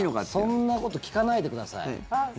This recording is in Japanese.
そんなこと聞かないでください。